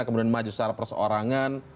kemudian maju secara perseorangan